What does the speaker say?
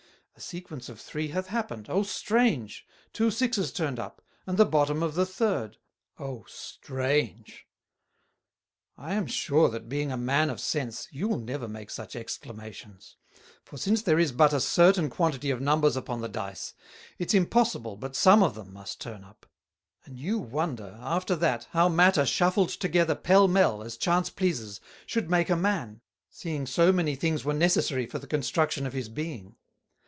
A Sequence of three hath happened, O strange! Two sixes turned up, and the bottom of the third, O strange! I am sure that being a man of Sense, you'll never make such Exclamations; for since there is but a certain quantity of Numbers upon the Dice, it's impossible but some of them must turn up; and you wonder, after that, how matter shuffled together Pell Mell, as Chance pleases, should make a Man, seeing so many things were necessary for the Construction of his Being.